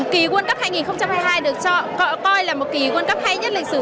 kỳ world cup hai nghìn hai mươi hai được coi là một kỳ world cup hay nhất lịch sử